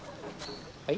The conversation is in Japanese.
はい？